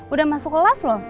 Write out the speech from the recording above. udah masuk kelas loh